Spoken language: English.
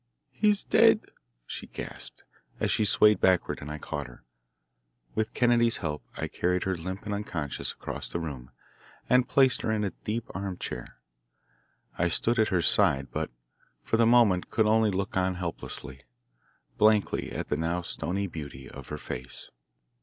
"He is dead!" she gasped as she swayed backward and I caught her. With Kennedy's help I carried her, limp and unconscious, across the room, and placed her in a deep armchair. I stood at her side, but for the moment could only look on helplessly, blankly at the now stony beauty of her face.